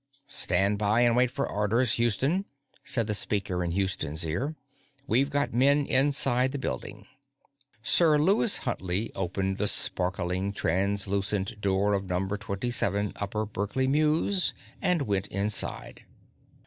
"Stand by and wait for orders, Houston," said the speaker in Houston's ear. "We've got men inside the building." Sir Lewis Huntley opened the sparkling, translucent door of Number 37 Upper Berkeley Mews and went inside.